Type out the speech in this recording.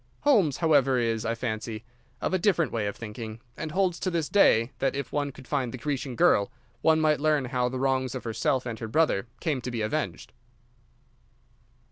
Holmes, however, is, I fancy, of a different way of thinking, and holds to this day that, if one could find the Grecian girl, one might learn how the wrongs of herself and her brother came to be avenged.